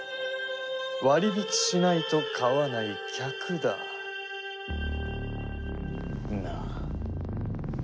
割り引きしないと買わない客だ。なあ？